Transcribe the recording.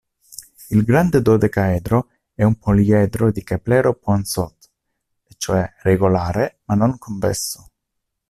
Il grande dodecaedro è un poliedro di Keplero-Poinsot: è cioè "regolare" ma non convesso.